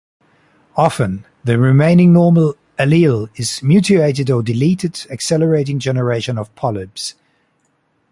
Often, the remaining "normal" allele is mutated or deleted, accelerating generation of polyps.